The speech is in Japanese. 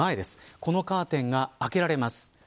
このカーテンが開けられます。